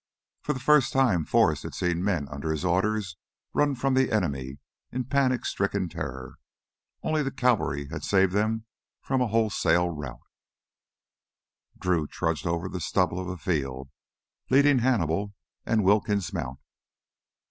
For the first time Forrest had seen men under his orders run from the enemy in panic stricken terror. Only the cavalry had saved them from a wholesale rout. Drew trudged over the stubble of a field, leading Hannibal and Wilkins' mount.